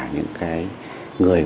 những cái người